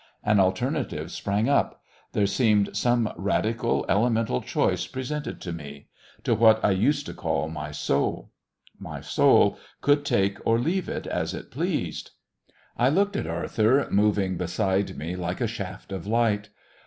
An alternative sprang up. There seemed some radical, elemental choice presented to me to what I used to call my soul. My soul could take or leave it as it pleased.... I looked at Arthur moving beside me like a shaft of light.